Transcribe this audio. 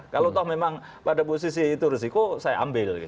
kalau memang pada posisi itu risiko saya ambil